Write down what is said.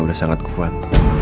udah sangat kuat